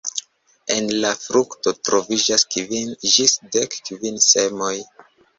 En la frukto troviĝas kvin ĝis dek kvin semoj.